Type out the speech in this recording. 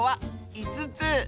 ５つ。